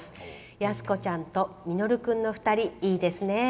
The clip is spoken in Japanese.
安子ちゃんと稔君の２人いいですね。